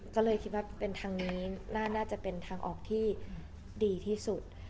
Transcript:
ก็เลยคิดว่าเป็นทางนี้น่าจะเป็นทางออกที่ดีที่สุด